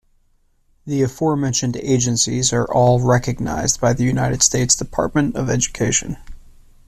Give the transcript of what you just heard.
The aforementioned agencies are all recognized by the United States Department of Education.